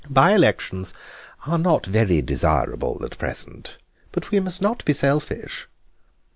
"By elections are not very desirable at present, but we must not be selfish."